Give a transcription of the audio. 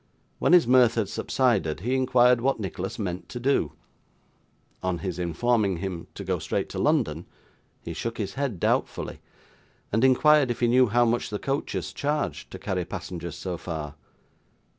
When his mirth had subsided, he inquired what Nicholas meant to do; on his informing him, to go straight to London, he shook his head doubtfully, and inquired if he knew how much the coaches charged to carry passengers so far.